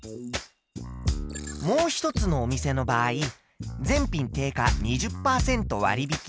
もう一つのお店の場合全品定価２０％割引。